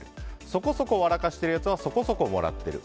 そこそこ笑かしてるやつはそこそこもらってる。